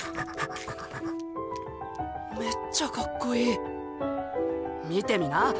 めっちゃかっこいい見てみなっ。